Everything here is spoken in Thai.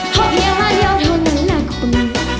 พอเพียงวันเดียวเท่านั้นนะคุณ